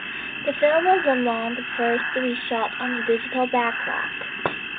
The film was among the first to be shot on a digital backlot.